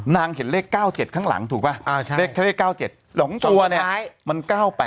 เห็นเลข๙๗ข้างหลังถูกป่ะเลข๙๗๒ตัวเนี่ยมัน๙๘